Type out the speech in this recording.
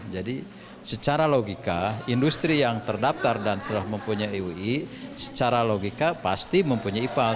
jadi secara logika industri yang terdaftar dan sudah mempunyai iui secara logika pasti mempunyai ipal